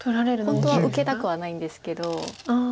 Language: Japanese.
本当は受けたくはないんですけど。